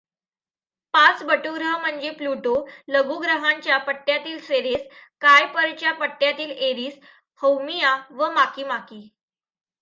पाच बटुग्रह म्हणजे प्लूटो, लघुग्रहांच्या पट्ट्यातील सेरेस, कायपरचा पट्ट्यातील एरिस, हौमिआ व माकीमाकी.